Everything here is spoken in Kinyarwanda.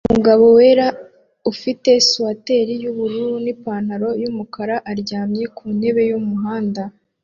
Umugabo wera ufite swater yubururu nipantaro yumukara aryamye kuntebe yumuhanda